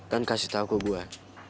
dan kasih tau ke gua